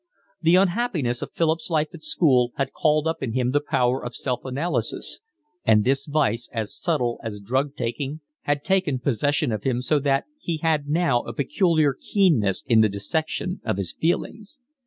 The unhappiness of Philip's life at school had called up in him the power of self analysis; and this vice, as subtle as drug taking, had taken possession of him so that he had now a peculiar keenness in the dissection of his feelings.